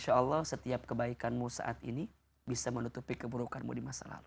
insya allah setiap kebaikanmu saat ini bisa menutupi keburukanmu di masa lalu